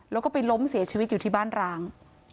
แล้วก็ไปล้มเสียชีวิตอยู่ที่บ้านร้าง